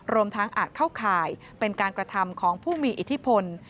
รวมทั้งอาจเข้าข่ายเป็นการกระทำของผู้มีอิทธิพล